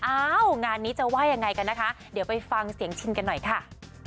งานนี้จะว่ายังไงกันนะคะเดี๋ยวไปฟังเสียงชินกันหน่อยค่ะ